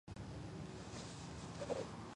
ალარიხის გარდაცვალების შემდეგ აირჩიეს მეფედ.